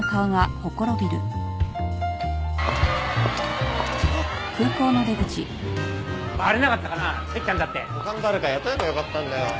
他の誰か雇えばよかったんだよ。